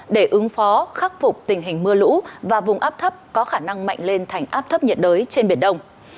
để ứng phó khắc phục tình hình mưa lũ và vùng áp thấp có khả năng mạnh lên thành áp thấp nhiệt đới trên biển đông